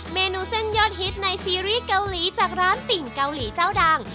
เมนูเส้นยอดฮิตในซีรีส์เกาหลีจากร้านติ่งเกาหลีเจ้าดัง